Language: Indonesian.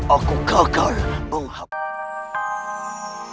aku gagal menghabiskan